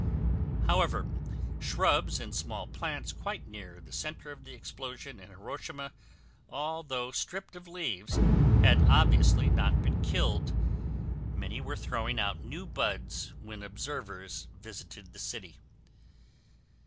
However, shrubs and small plants quite near the center of explosion in Hiroshima, although stripped of leaves, had obviously not been killed. Many were throwing out new buds when observers visited the city.